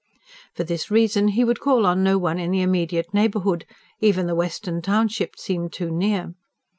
For this reason he would call in no one in the immediate neighbourhood even the western township seemed too near.